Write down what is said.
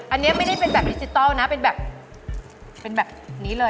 อันนี้ไม่ได้เป็นแบบดิจิทัลนะเป็นแบบเป็นแบบนี้เลย